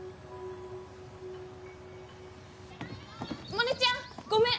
モネちゃんごめん！